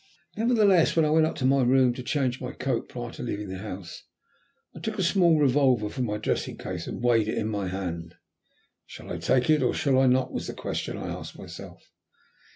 Nevertheless, when I went up to my room to change my coat, prior to leaving the house, I took a small revolver from my dressing case and weighed it in my hand. "Shall I take it or shall I not?" was the question I asked myself.